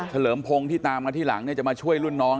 เลิมพงศ์ที่ตามมาที่หลังจะมาช่วยรุ่นน้อง